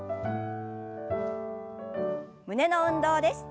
胸の運動です。